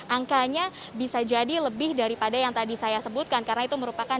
angka nya bisa jadi lebih daripada yang tadi saya sebutkan